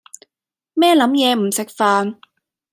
咩諗野唔食飯